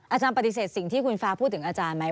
อาจารย์ปฏิเสธสิ่งที่คุณฟ้าพูดถึงอาจารย์ไหม